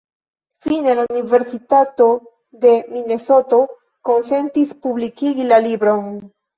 Fine, la Universitato de Minesoto konsentis publikigi la libron.